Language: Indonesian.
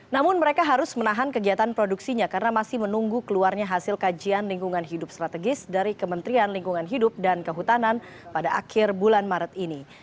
namun mereka harus menahan kegiatan produksinya karena masih menunggu keluarnya hasil kajian lingkungan hidup strategis dari kementerian lingkungan hidup dan kehutanan pada akhir bulan maret ini